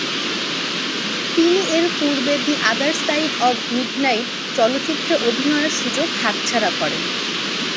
তিনি এর পূর্বে "the other side of midnight" চলচ্চিত্রে অভিনয়ের সুযোগ হাতছাড়া করেন।